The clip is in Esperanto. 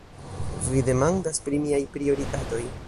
Vi demandas pri miaj prioritatoj.